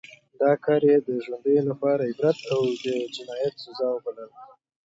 دا کار یې د ژوندیو لپاره عبرت او د جنایت سزا وبلله.